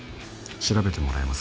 調べてもらえます？